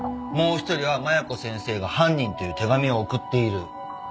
もう一人は麻弥子先生が犯人という手紙を送っている。